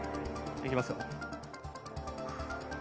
いきます！